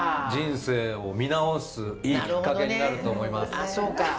人生を見直すいいきっかけになると思います。